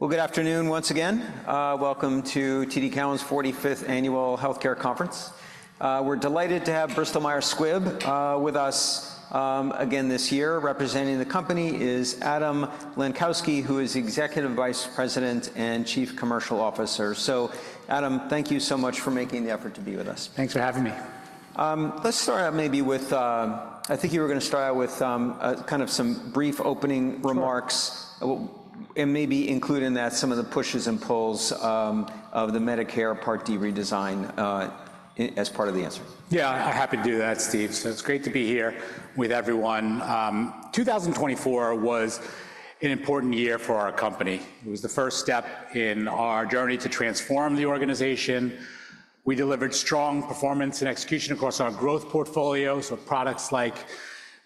Good afternoon once again. Welcome to TD Cowen's 45th Annual Healthcare Conference. We're delighted to have Bristol Myers Squibb with us again this year. Representing the company is Adam Lenkowsky, who is Executive Vice President and Chief Commercial Officer. Adam, thank you so much for making the effort to be with us. Thanks for having me. Let's start out maybe with, I think you were going to start out with kind of some brief opening remarks and maybe include in that some of the pushes and pulls of the Medicare Part D redesign as part of the answer. Yeah, I'm happy to do that, Steve. So it's great to be here with everyone. 2024 was an important year for our company. It was the first step in our journey to transform the organization. We delivered strong performance and execution across our growth portfolio with products like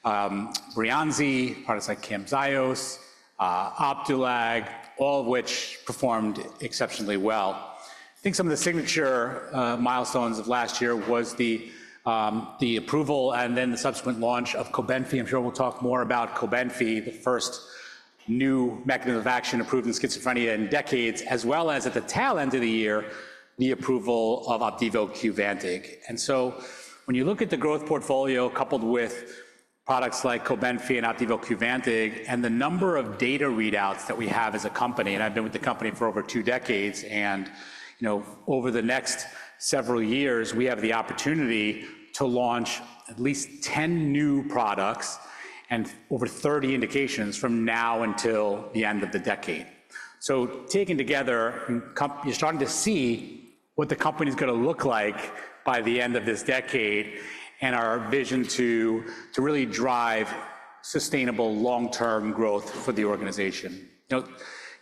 Breyanzi, products like Camzyos, Opdualag, all of which performed exceptionally well. I think some of the signature milestones of last year were the approval and then the subsequent launch of Cobenfy. I'm sure we'll talk more about Cobenfy, the first new mechanism of action approved in schizophrenia in decades, as well as at the tail end of the year, the approval of Opdivo Qvantig. And so when you look at the growth portfolio coupled with products like Cobenfy and Opdivo Qvantig, and the number of data readouts that we have as a company, and I've been with the company for over two decades, and over the next several years, we have the opportunity to launch at least 10 new products and over 30 indications from now until the end of the decade. So taken together, you're starting to see what the company is going to look like by the end of this decade and our vision to really drive sustainable long-term growth for the organization.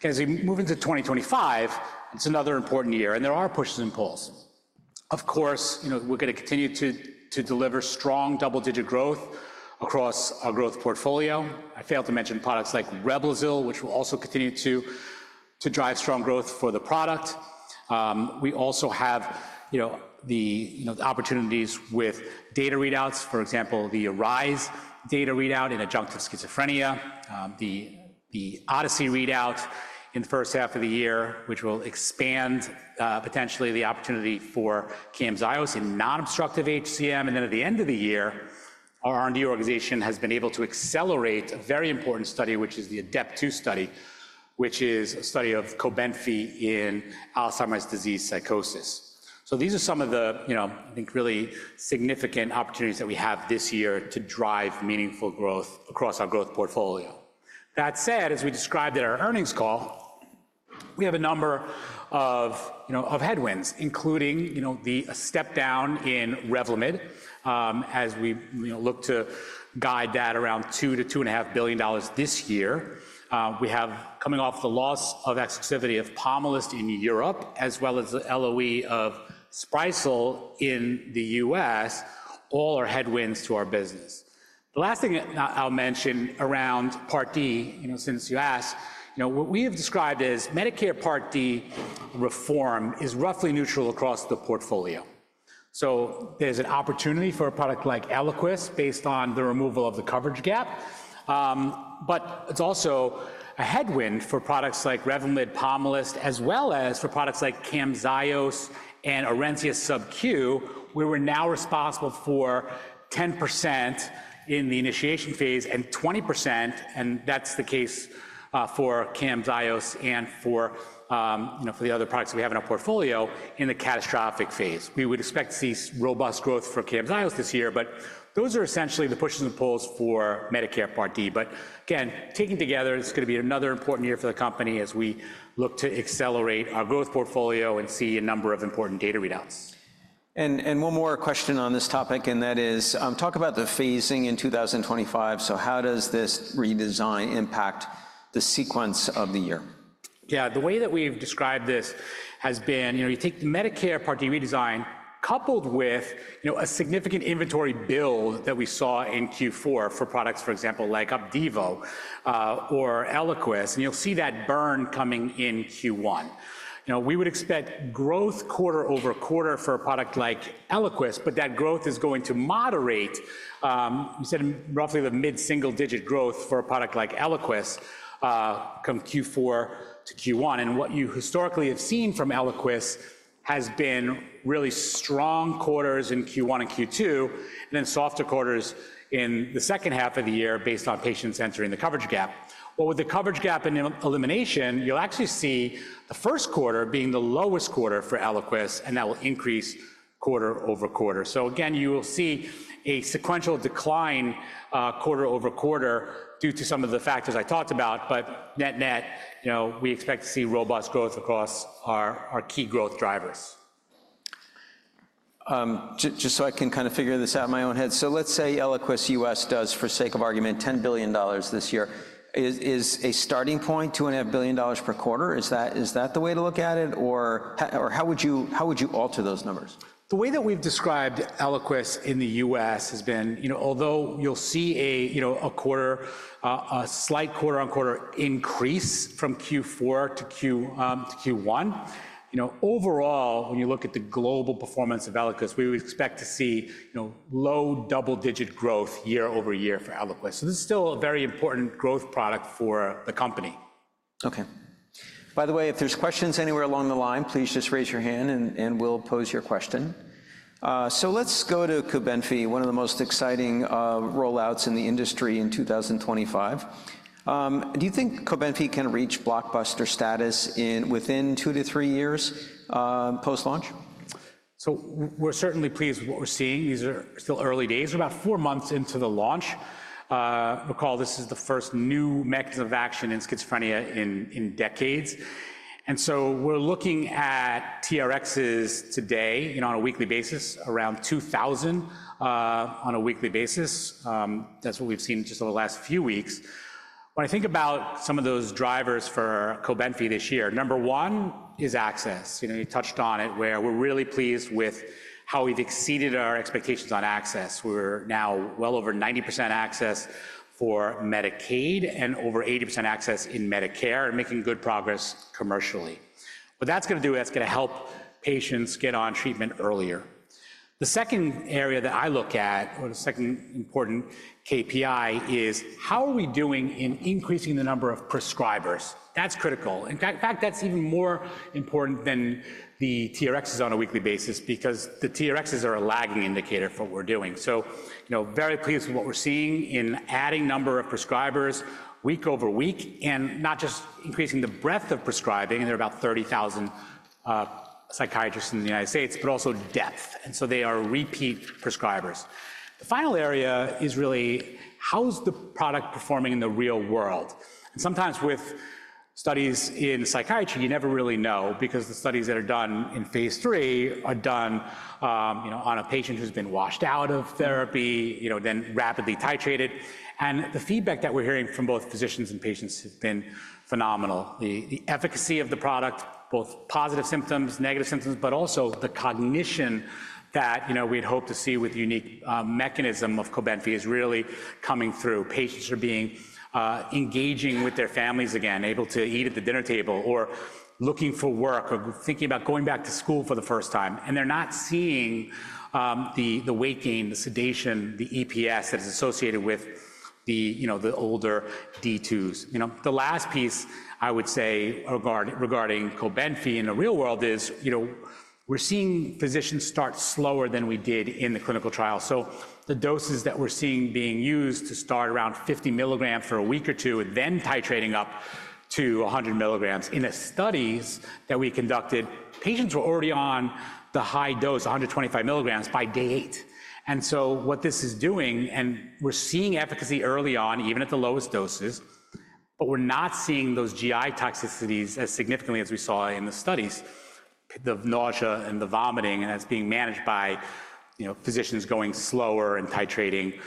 As we move into 2025, it's another important year, and there are pushes and pulls. Of course, we're going to continue to deliver strong double-digit growth across our growth portfolio. I failed to mention products like Reblozyl, which will also continue to drive strong growth for the product. We also have the opportunities with data readouts, for example, the ARISE data readout in adjunctive schizophrenia, the Odyssey readout in the first half of the year, which will expand potentially the opportunity for Camzyos in non-obstructive HCM. And then at the end of the year, our R&D organization has been able to accelerate a very important study, which is the ADEPT-2 study, which is a study of Cobenfy in Alzheimer's disease psychosis. So these are some of the, I think, really significant opportunities that we have this year to drive meaningful growth across our growth portfolio. That said, as we described at our earnings call, we have a number of headwinds, including a step down in Revlimid as we look to guide that around $2-$2.5 billion this year. We have, coming off the loss of exclusivity of Pomalyst in Europe, as well as the LOE of Sprycel in the U.S., all our headwinds to our business. The last thing I'll mention around Part D, since you asked, what we have described as Medicare Part D reform is roughly neutral across the portfolio. There's an opportunity for a product like Eliquis based on the removal of the coverage gap, but it's also a headwind for products like Revlimid, Pomalyst, as well as for products like Camzyos and Orencia SubQ, where we're now responsible for 10% in the initiation phase and 20%, and that's the case for Camzyos and for the other products we have in our portfolio in the catastrophic phase. We would expect to see robust growth for Camzyos this year, but those are essentially the pushes and pulls for Medicare Part D. But again, taken together, it's going to be another important year for the company as we look to accelerate our growth portfolio and see a number of important data readouts. And one more question on this topic, and that is, talk about the phasing in 2025. So how does this redesign impact the sequence of the year? Yeah, the way that we've described this has been you take the Medicare Part D redesign coupled with a significant inventory build that we saw in Q4 for products, for example, like Opdivo or Eliquis, and you'll see that burn coming in Q1. We would expect growth quarter over quarter for a product like Eliquis, but that growth is going to moderate, you said, roughly the mid-single-digit growth for a product like Eliquis come Q4 to Q1, and what you historically have seen from Eliquis has been really strong quarters in Q1 and Q2, and then softer quarters in the second half of the year based on patients entering the coverage gap, well, with the coverage gap and elimination, you'll actually see the first quarter being the lowest quarter for Eliquis, and that will increase quarter over quarter. So again, you will see a sequential decline quarter over quarter due to some of the factors I talked about, but net net, we expect to see robust growth across our key growth drivers. Just so I can kind of figure this out in my own head, so let's say Eliquis US does, for sake of argument, $10 billion this year. Is a starting point $2.5 billion per quarter? Is that the way to look at it, or how would you alter those numbers? The way that we've described Eliquis in the U.S. has been, although you'll see a quarter, a slight quarter on quarter increase from Q4 to Q1, overall, when you look at the global performance of Eliquis, we would expect to see low double-digit growth year over year for Eliquis. So this is still a very important growth product for the company. Okay. By the way, if there's questions anywhere along the line, please just raise your hand and we'll pose your question. So let's go to Cobenfy, one of the most exciting rollouts in the industry in 2025. Do you think Cobenfy can reach blockbuster status within two to three years post-launch? We're certainly pleased with what we're seeing. These are still early days. We're about four months into the launch. Recall, this is the first new mechanism of action in schizophrenia in decades. And so we're looking at TRXs today on a weekly basis, around 2,000 on a weekly basis. That's what we've seen just over the last few weeks. When I think about some of those drivers for Cobenfy this year, number one is access. You touched on it, where we're really pleased with how we've exceeded our expectations on access. We're now well over 90% access for Medicaid and over 80% access in Medicare, and making good progress commercially. What that's going to do, that's going to help patients get on treatment earlier. The second area that I look at, or the second important KPI, is how are we doing in increasing the number of prescribers? That's critical. In fact, that's even more important than the TRXs on a weekly basis because the TRXs are a lagging indicator for what we're doing, so very pleased with what we're seeing in adding number of prescribers week over week, and not just increasing the breadth of prescribing, and there are about 30,000 psychiatrists in the United States, but also depth, and so they are repeat prescribers. The final area is really how is the product performing in the real world? Sometimes with studies in psychiatry, you never really know because the studies that are done in phase three are done on a patient who's been washed out of therapy, then rapidly titrated, and the feedback that we're hearing from both physicians and patients has been phenomenal. The efficacy of the product, both positive symptoms, negative symptoms, but also the cognition that we'd hope to see with the unique mechanism of Cobenfy is really coming through. Patients are being engaging with their families again, able to eat at the dinner table or looking for work or thinking about going back to school for the first time. And they're not seeing the weight gain, the sedation, the EPS that is associated with the older D2s. The last piece I would say regarding Cobenfy in the real world is we're seeing physicians start slower than we did in the clinical trial. So the doses that we're seeing being used to start around 50 milligrams for a week or two, then titrating up to 100 milligrams. In the studies that we conducted, patients were already on the high dose, 125 milligrams by day eight. And so what this is doing, and we're seeing efficacy early on, even at the lowest doses, but we're not seeing those GI toxicities as significantly as we saw in the studies, the nausea and the vomiting, and that's being managed by physicians going slower and titrating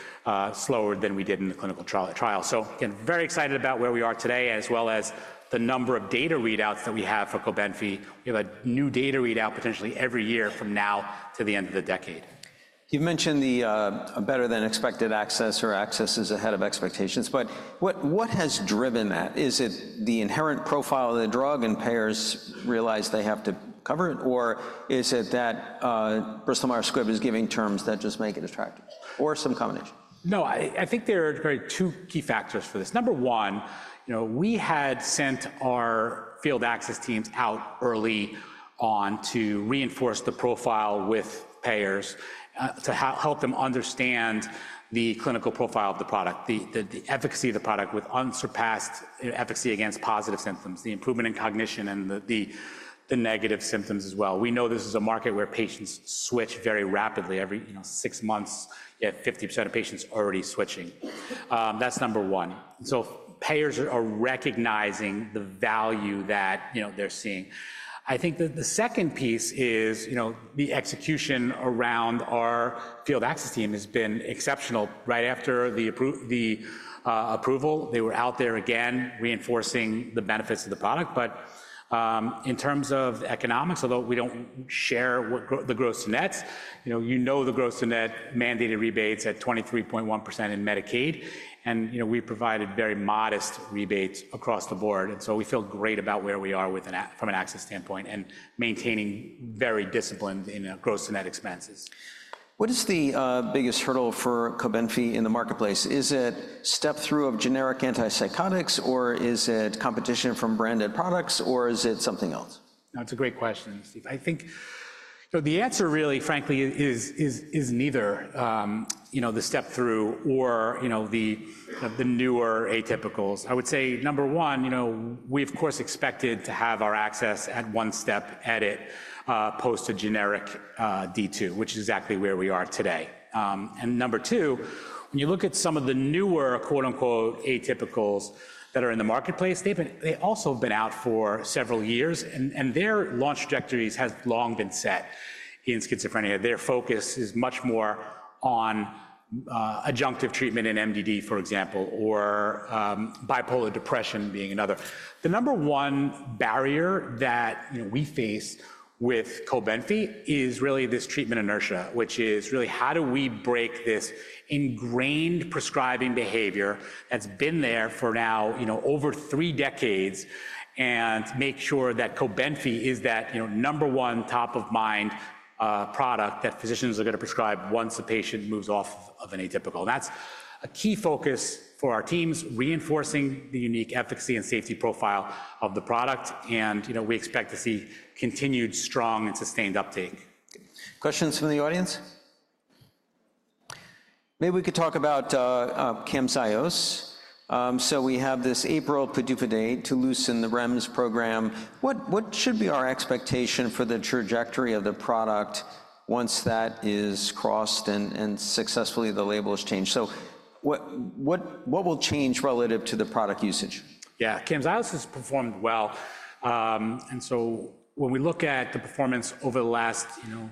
slower than we did in the clinical trial. So again, very excited about where we are today, as well as the number of data readouts that we have for Cobenfy. We have a new data readout potentially every year from now to the end of the decade. You've mentioned the better than expected access or access is ahead of expectations, but what has driven that? Is it the inherent profile of the drug and payers realize they have to cover it, or is it that Bristol Myers Squibb is giving terms that just make it attractive or some combination? No, I think there are two key factors for this. Number one, we had sent our field access teams out early on to reinforce the profile with payers to help them understand the clinical profile of the product, the efficacy of the product with unsurpassed efficacy against positive symptoms, the improvement in cognition and the negative symptoms as well. We know this is a market where patients switch very rapidly. Every six months, you have 50% of patients already switching. That's number one. So payers are recognizing the value that they're seeing. I think the second piece is the execution around our field access team has been exceptional. Right after the approval, they were out there again reinforcing the benefits of the product. But in terms of economics, although we don't share the gross nets, you know the gross net mandated rebates at 23.1% in Medicaid, and we provided very modest rebates across the board. And so we feel great about where we are from an access standpoint and maintaining very disciplined in gross net expenses. What is the biggest hurdle for Cobenfy in the marketplace? Is it step therapy of generic antipsychotics, or is it competition from branded products, or is it something else? That's a great question. I think the answer really, frankly, is neither the step through or the newer atypicals. I would say number one, we, of course, expected to have our access at one step edit post a generic D2, which is exactly where we are today. And number two, when you look at some of the newer "atypicals" that are in the marketplace, they also have been out for several years, and their launch trajectories have long been set in schizophrenia. Their focus is much more on adjunctive treatment in MDD, for example, or bipolar depression being another. The number one barrier that we face with Cobenfy is really this treatment inertia, which is really how do we break this ingrained prescribing behavior that's been there for now over three decades and make sure that Cobenfy is that number one top of mind product that physicians are going to prescribe once a patient moves off of an atypical. That's a key focus for our teams, reinforcing the unique efficacy and safety profile of the product, and we expect to see continued strong and sustained uptake. Questions from the audience? Maybe we could talk about Camzyos. So we have this April PDUFA date to loosen the REMS program. What should be our expectation for the trajectory of the product once that is crossed and successfully the label is changed? So what will change relative to the product usage? Yeah, Camzyos has performed well. And so when we look at the performance over the last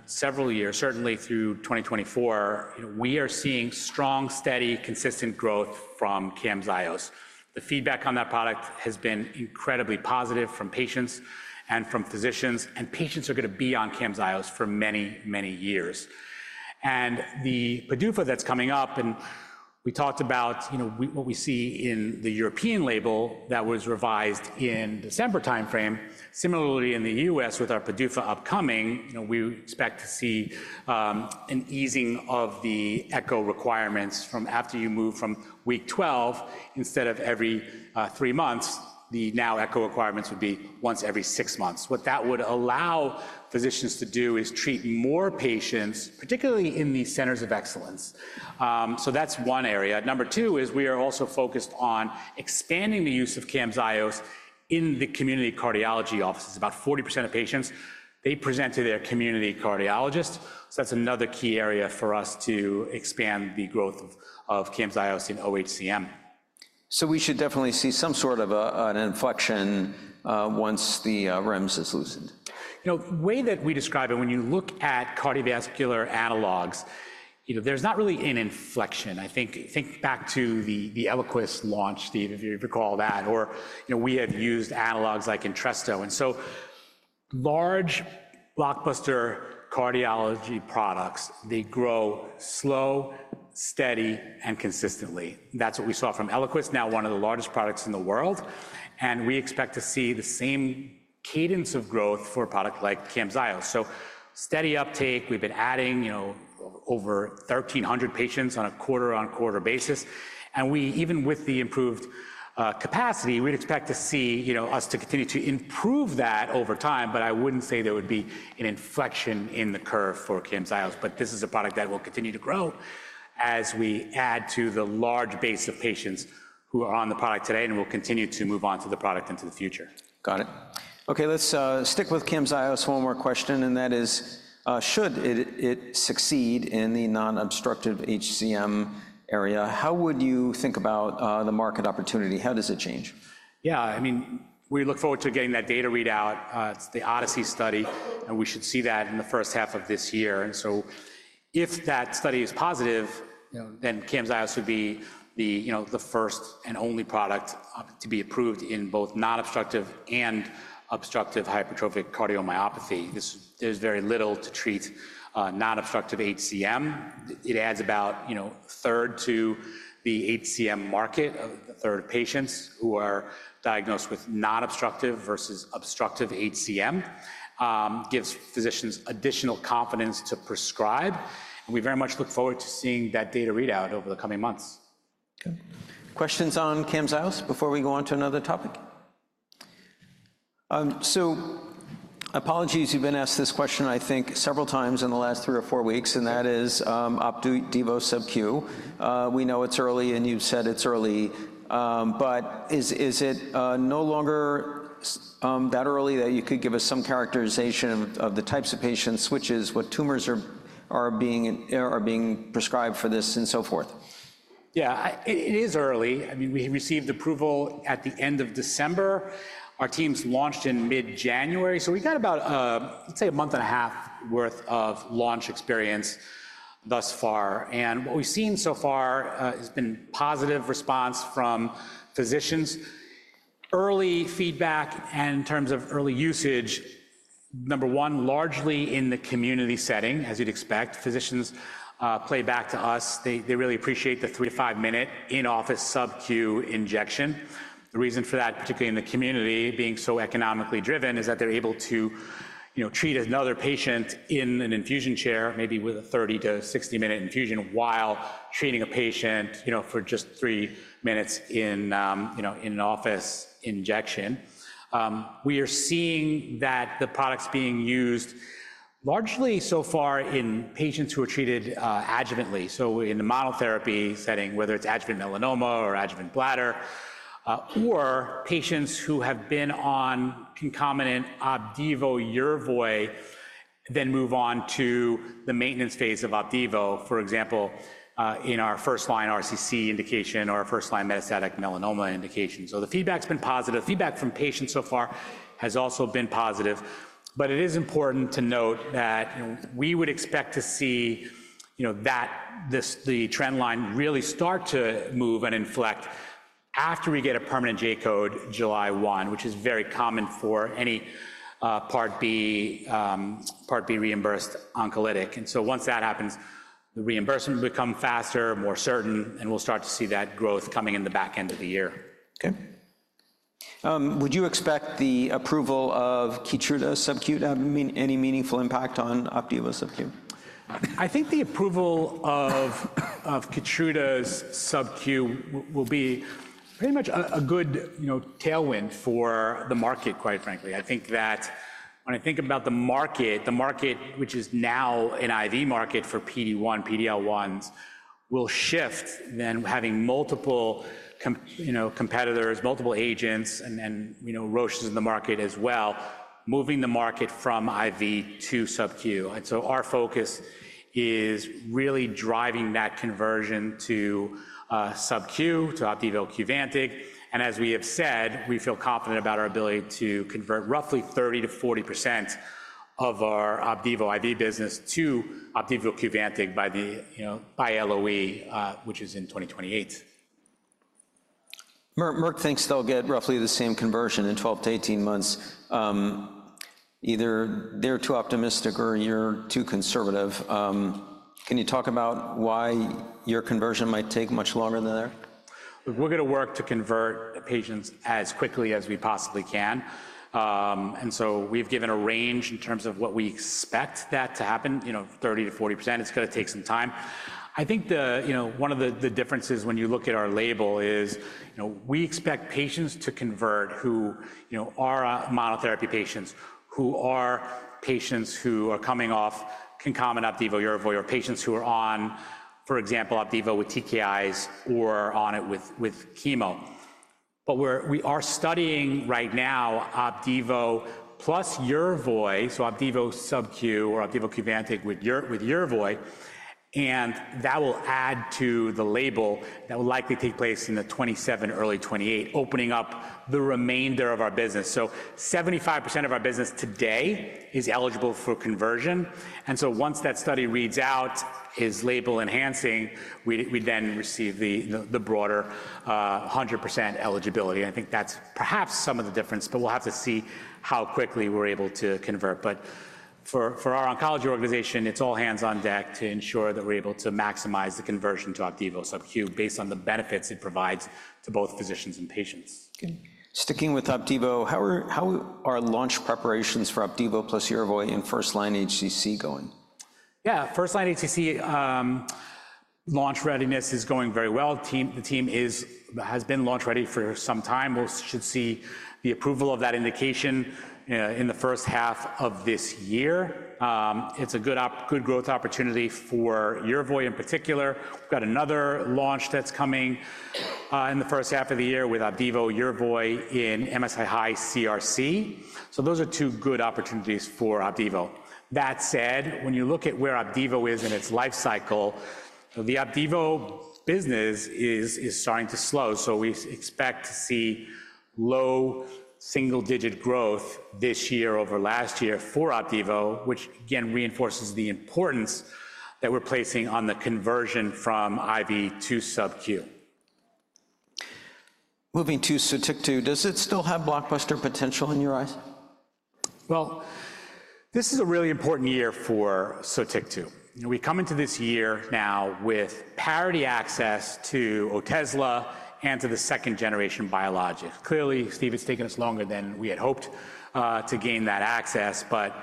several years, certainly through 2024, we are seeing strong, steady, consistent growth from Camzyos. The feedback on that product has been incredibly positive from patients and from physicians, and patients are going to be on Camzyos for many, many years. And the PDUFA that's coming up, and we talked about what we see in the European label that was revised in December timeframe. Similarly, in the U.S. with our PDUFA upcoming, we expect to see an easing of the ECHO requirements from after you move from week 12 instead of every three months. The new ECHO requirements would be once every six months. What that would allow physicians to do is treat more patients, particularly in the centers of excellence. So that's one area. Number two is we are also focused on expanding the use of Camzyos in the community cardiology offices. About 40% of patients, they present to their community cardiologist. So that's another key area for us to expand the growth of Camzyos in OHCM. So we should definitely see some sort of an inflection once the REMS is loosened. The way that we describe it, when you look at cardiovascular analogs, there's not really an inflection. I think back to the Eliquis launch, Steve, if you recall that, or we have used analogs like Entresto. Large blockbuster cardiology products, they grow slow, steady, and consistently. That's what we saw from Eliquis, now one of the largest products in the world. We expect to see the same cadence of growth for a product like Camzyos. Steady uptake, we've been adding over 1,300 patients on a quarter-on-quarter basis. Even with the improved capacity, we'd expect to see us to continue to improve that over time, but I wouldn't say there would be an inflection in the curve for Camzyos. But this is a product that will continue to grow as we add to the large base of patients who are on the product today and will continue to move on to the product into the future. Got it. Okay, let's stick with Camzyos. One more question, and that is, should it succeed in the non-obstructive HCM area, how would you think about the market opportunity? How does it change? Yeah, I mean, we look forward to getting that data readout, the Odyssey study, and we should see that in the first half of this year. And so if that study is positive, then Camzyos would be the first and only product to be approved in both non-obstructive and obstructive hypertrophic cardiomyopathy. There's very little to treat non-obstructive HCM. It adds about a third to the HCM market, a third of patients who are diagnosed with non-obstructive versus obstructive HCM, gives physicians additional confidence to prescribe. And we very much look forward to seeing that data readout over the coming months. Questions on Camzyos before we go on to another topic? So apologies, you've been asked this question, I think, several times in the last three or four weeks, and that is Opdivo SubQ. We know it's early, and you've said it's early, but is it no longer that early that you could give us some characterization of the types of patients, which is what tumors are being prescribed for this and so forth? Yeah, it is early. I mean, we received approval at the end of December. Our teams launched in mid-January. So we got about, let's say, a month and a half worth of launch experience thus far, and what we've seen so far has been positive response from physicians. Early feedback and in terms of early usage, number one, largely in the community setting, as you'd expect. Physicians play back to us. They really appreciate the three- to five-minute in-office SubQ injection. The reason for that, particularly in the community, being so economically driven, is that they're able to treat another patient in an infusion chair, maybe with a 30- to 60-minute infusion while treating a patient for just three minutes in an office injection. We are seeing that the product's being used largely so far in patients who are treated adjuvantly. So in the monotherapy setting, whether it's adjuvant melanoma or adjuvant bladder, or patients who have been on concomitant Opdivo Yervoy, then move on to the maintenance phase of Opdivo, for example, in our first line RCC indication or our first line metastatic melanoma indication. So the feedback's been positive. Feedback from patients so far has also been positive. But it is important to note that we would expect to see the trend line really start to move and inflect after we get a permanent J code July 1, which is very common for any Part B reimbursed oncologic. And so once that happens, the reimbursement will become faster, more certain, and we'll start to see that growth coming in the back end of the year. Okay. Would you expect the approval of Keytruda SubQ to have any meaningful impact on Opdivo SubQ? I think the approval of Keytruda SubQ will be pretty much a good tailwind for the market, quite frankly. I think that when I think about the market, the market, which is now an IV market for PD-1, PD-L1s, will shift to having multiple competitors, multiple agents, and Roche is in the market as well, moving the market from IV to SubQ. And so our focus is really driving that conversion to SubQ, to Opdivo Qvantig. And as we have said, we feel confident about our ability to convert roughly 30%-40% of our Opdivo IV business to Opdivo Qvantig by LOE, which is in 2028. Merck thinks they'll get roughly the same conversion in 12 to 18 months. Either they're too optimistic or you're too conservative. Can you talk about why your conversion might take much longer than that? We're going to work to convert patients as quickly as we possibly can. And so we've given a range in terms of what we expect that to happen, 30%-40%. It's going to take some time. I think one of the differences when you look at our label is we expect patients to convert who are monotherapy patients, who are patients who are coming off concomitant Opdivo Yervoy or patients who are on, for example, Opdivo with TKIs or on it with chemo. But we are studying right now Opdivo plus Yervoy, so Opdivo SubQ or Opdivo SubQ with Yervoy, and that will add to the label that will likely take place in 2027, early 2028, opening up the remainder of our business. So 75% of our business today is eligible for conversion. And so once that study reads out, is label enhancing, we then receive the broader 100% eligibility. I think that's perhaps some of the difference, but we'll have to see how quickly we're able to convert. But for our oncology organization, it's all hands on deck to ensure that we're able to maximize the conversion to Opdivo SubQ based on the benefits it provides to both physicians and patients. Sticking with Opdivo, how are launch preparations for Opdivo plus Yervoy in first line HCC going? Yeah, first line HCC launch readiness is going very well. The team has been launch ready for some time. We should see the approval of that indication in the first half of this year. It's a good growth opportunity for Yervoy in particular. We've got another launch that's coming in the first half of the year with Opdivo Yervoy in MSI High CRC. So those are two good opportunities for Opdivo. That said, when you look at where Opdivo is in its life cycle, the Opdivo business is starting to slow. So we expect to see low single-digit growth this year over last year for Opdivo, which again reinforces the importance that we're placing on the conversion from IV to SubQ. Moving to Sotyktu, does it still have blockbuster potential in your eyes? This is a really important year for Sotyktu. We come into this year now with parity access to Otezla and to the second-generation biologic. Clearly, Steve, it's taken us longer than we had hoped to gain that access, but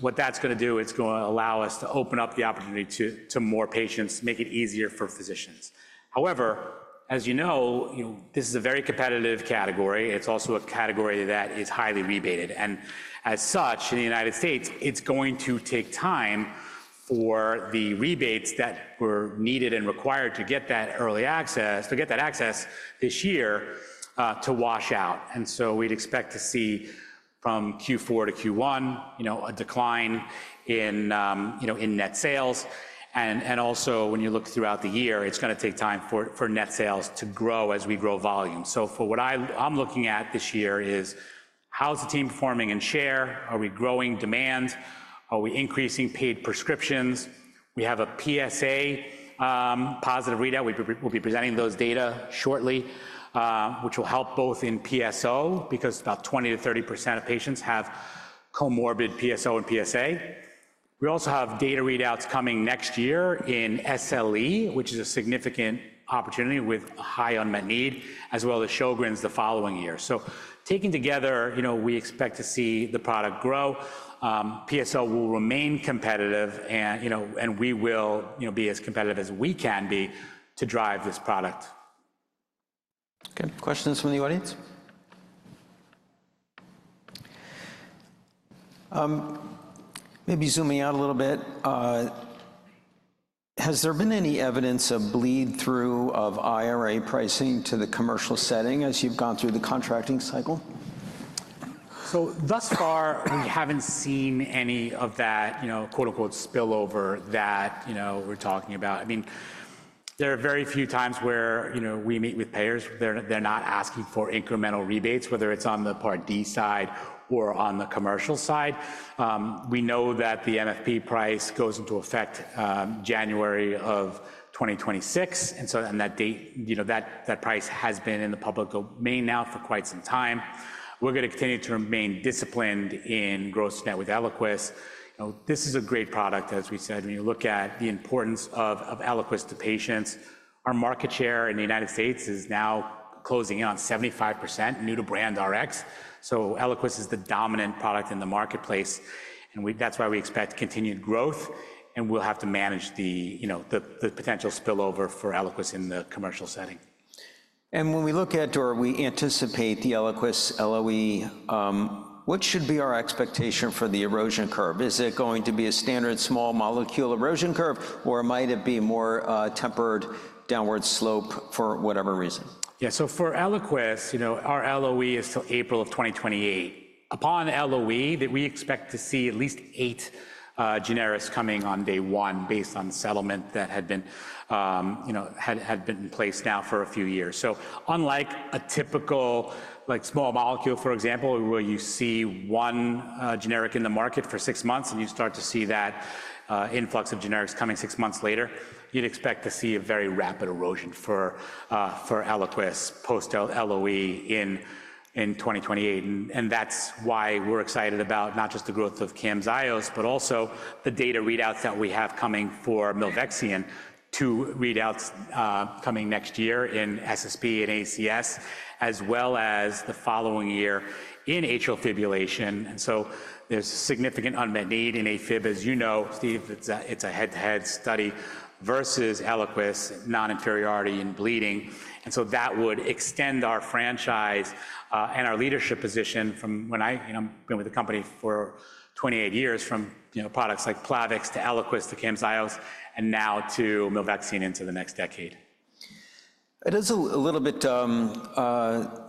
what that's going to do, it's going to allow us to open up the opportunity to more patients, make it easier for physicians. However, as you know, this is a very competitive category. It's also a category that is highly rebated. And as such, in the United States, it's going to take time for the rebates that were needed and required to get that early access, to get that access this year to wash out. And so we'd expect to see from Q4 to Q1 a decline in net sales. And also, when you look throughout the year, it's going to take time for net sales to grow as we grow volume. So for what I'm looking at this year is, how's the team performing in share? Are we growing demand? Are we increasing paid prescriptions? We have a PSA positive readout. We'll be presenting those data shortly, which will help both in PSO because about 20%-30% of patients have comorbid PSO and PSA. We also have data readouts coming next year in SLE, which is a significant opportunity with high unmet need, as well as Sjögren's the following year. So taking together, we expect to see the product grow. PSO will remain competitive, and we will be as competitive as we can be to drive this product. Okay, questions from the audience? Maybe zooming out a little bit. Has there been any evidence of bleed-through of IRA pricing to the commercial setting as you've gone through the contracting cycle? Thus far, we haven't seen any of that "spillover" that we're talking about. I mean, there are very few times where we meet with payers, they're not asking for incremental rebates, whether it's on the Part D side or on the commercial side. We know that the MFP price goes into effect January of 2026. On that date, that price has been in the public domain now for quite some time. We're going to continue to remain disciplined in gross-to-net with Eliquis. This is a great product, as we said. When you look at the importance of Eliquis to patients, our market share in the United States is now closing in on 75%, new to brand RX. Eliquis is the dominant product in the marketplace. That's why we expect continued growth, and we'll have to manage the potential spillover for Eliquis in the commercial setting. When we look at, or we anticipate the Eliquis LOE, what should be our expectation for the erosion curve? Is it going to be a standard small molecule erosion curve, or might it be more tempered downward slope for whatever reason? Yeah, so for Eliquis, our LOE is till April of 2028. Upon LOE, we expect to see at least eight generics coming on day one based on settlement that had been in place now for a few years. So unlike a typical small molecule, for example, where you see one generic in the market for six months and you start to see that influx of generics coming six months later, you'd expect to see a very rapid erosion for Eliquis post-LOE in 2028. And that's why we're excited about not just the growth of Camzyos, but also the data readouts that we have coming for Milvexion, two readouts coming next year in SSP and ACS, as well as the following year in atrial fibrillation. And so there's significant unmet need in AFib, as you know, Steve. It's a head-to-head study versus Eliquis, non-inferiority in bleeding. And so that would extend our franchise and our leadership position from when I've been with the company for 28 years, from products like Plavix to Eliquis to Camzyos and now to Milvexion into the next decade. It is a little bit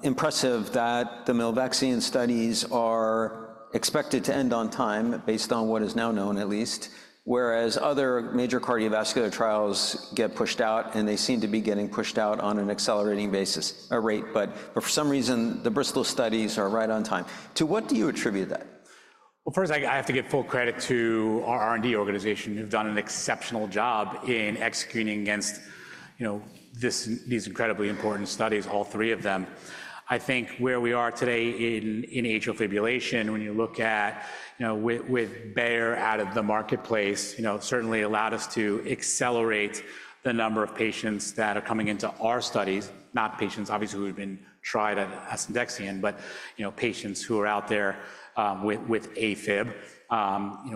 impressive that the Milvexion studies are expected to end on time based on what is now known, at least, whereas other major cardiovascular trials get pushed out and they seem to be getting pushed out on an accelerating basis, a rate, but for some reason, the Bristol studies are right on time. To what do you attribute that? First, I have to give full credit to our R&D organization who've done an exceptional job in executing against these incredibly important studies, all three of them. I think where we are today in atrial fibrillation, when you look at with Bayer out of the marketplace, certainly allowed us to accelerate the number of patients that are coming into our studies, not patients, obviously, who have been tried on Asundexian, but patients who are out there with AFib.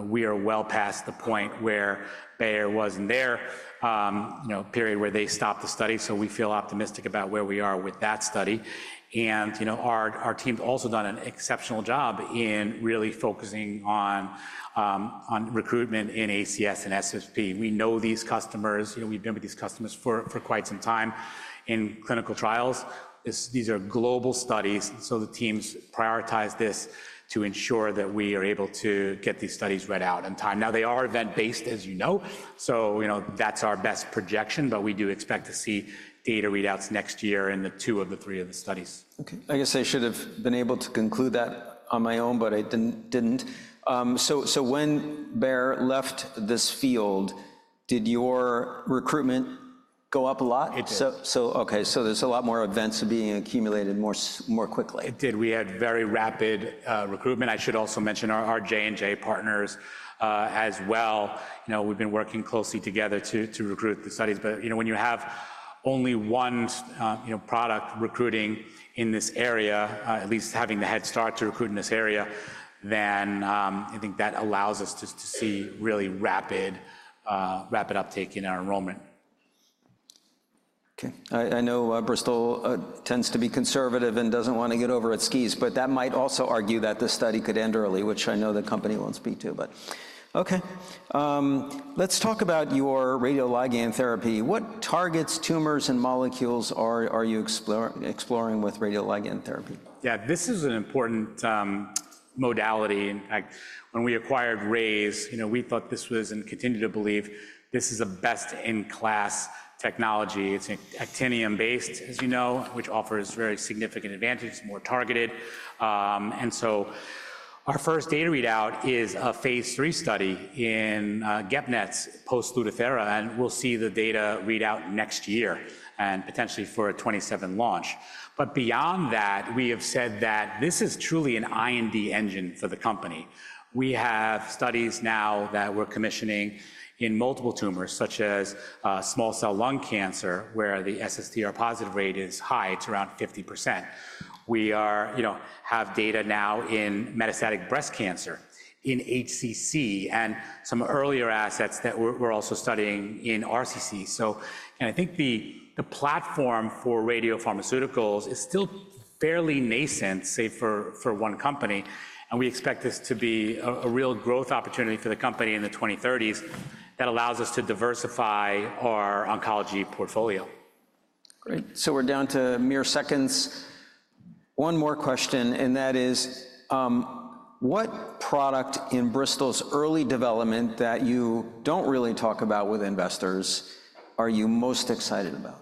We are well past the point where Bayer was in their period where they stopped the study. So we feel optimistic about where we are with that study. And our team's also done an exceptional job in really focusing on recruitment in ACS and SSP. We know these customers. We've been with these customers for quite some time in clinical trials. These are global studies. The teams prioritize this to ensure that we are able to get these studies read out in time. Now, they are event-based, as you know. That's our best projection, but we do expect to see data readouts next year in two of the three studies. Okay. I guess I should have been able to conclude that on my own, but I didn't. So when Bayer left this field, did your recruitment go up a lot? It did. Okay. There's a lot more events being accumulated more quickly. It did. We had very rapid recruitment. I should also mention our J&J partners as well. We've been working closely together to recruit the studies. But when you have only one product recruiting in this area, at least having the head start to recruit in this area, then I think that allows us to see really rapid uptake in our enrollment. Okay. I know Bristol tends to be conservative and doesn't want to get over its skis, but that might also argue that this study could end early, which I know the company won't speak to, but okay. Let's talk about your radioligand therapy. What targets tumors and molecules are you exploring with radioligand therapy? Yeah, this is an important modality. In fact, when we acquired RayzeBio, we thought this was and continue to believe this is a best-in-class technology. It's actinium-based, as you know, which offers very significant advantages, more targeted. And so our first data readout is a phase three study in GEP-NETs post-Lutathera, and we'll see the data readout next year and potentially for a 2027 launch. But beyond that, we have said that this is truly an IND engine for the company. We have studies now that we're commissioning in multiple tumors, such as small cell lung cancer, where the SSTR positive rate is high to around 50%. We have data now in metastatic breast cancer, in HCC, and some earlier assets that we're also studying in RCC. So I think the platform for radiopharmaceuticals is still fairly nascent, say, for one company. We expect this to be a real growth opportunity for the company in the 2030s that allows us to diversify our oncology portfolio. Great. So we're down to mere seconds. One more question, and that is, what product in Bristol's early development that you don't really talk about with investors are you most excited about?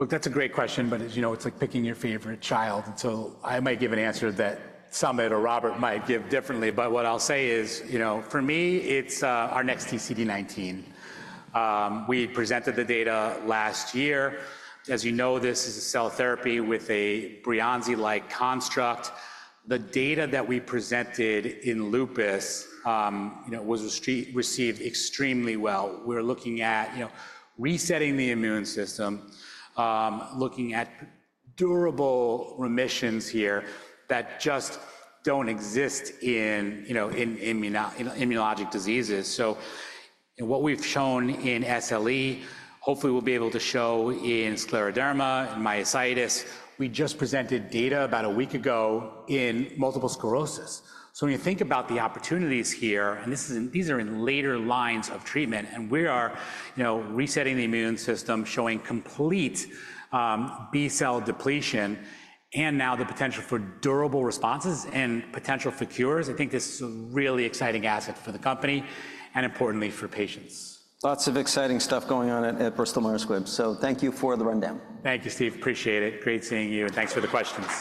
Look, that's a great question, but it's like picking your favorite child. And so I might give an answer that Samit or Robert might give differently, but what I'll say is, for me, it's our Nex-T CD19. We presented the data last year. As you know, this is a cell therapy with a Breonzi-like construct. The data that we presented in lupus was received extremely well. We're looking at resetting the immune system, looking at durable remissions here that just don't exist in immunologic diseases. So what we've shown in SLE, hopefully we'll be able to show in scleroderma, in myositis. We just presented data about a week ago in multiple sclerosis. So when you think about the opportunities here, and these are in later lines of treatment, and we are resetting the immune system, showing complete B-cell depletion, and now the potential for durable responses and potential for cures, I think this is a really exciting asset for the company and importantly for patients. Lots of exciting stuff going on at Bristol Myers Squibb. So thank you for the rundown. Thank you, Steve. Appreciate it. Great seeing you, and thanks for the questions.